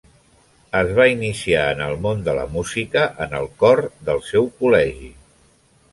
Es va iniciar en el món de la música en el cor del seu col·legi.